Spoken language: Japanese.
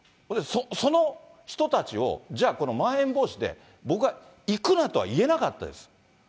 その人たちを、じゃあこのまん延防止で、僕は行くなとは言えなかったです。